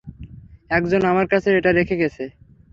একজন আমার কাছে এটা রেখে গেছে।